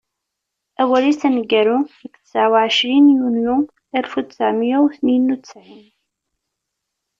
Awal-is aneggaru deg ttɛa u ɛcrin Yunyu alef u ttɛemya u tniyen u ttɛin.